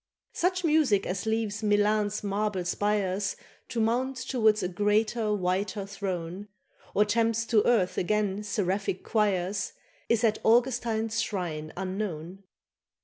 Such music as leaves Milan's marble spires To mount towards a greater whiter throne, Or tempts to earth again seraphic choirs, Is at Augustine's shrine unknown.